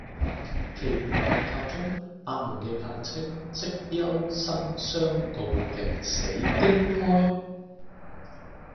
奇門遁甲中，八門的簡稱，即休、生、傷、杜、景、死、驚、開。